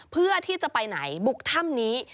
เพื่อที่จะไปไหนบุกถ้ำนี้